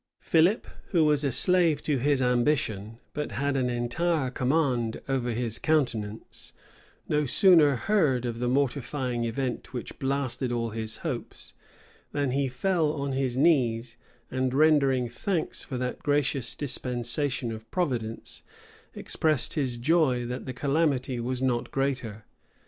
Philip, who was a slave to his ambition, but had an entire command over his countenance, no sooner heard of the mortifying event which blasted all his hopes, than he fell on his knees, and rendering thanks for that gracious dispensation of Providence expressed his joy that the calamity was not greater.